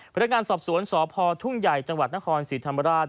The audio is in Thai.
พนักงานสอบสวนสพทุ่งใหญ่จังหวัดนครศรีธรรมราช